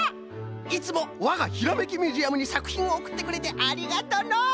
いつもわがひらめきミュージアムにさくひんをおくってくれてありがとうの！